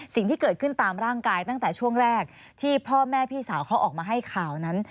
สิ่งที่เกิดขึ้นตามร่างกายตั้งแต่ช่วงแรกที่พ่อแม่พี่สาวเขาออกมาให้ข่าวนั้น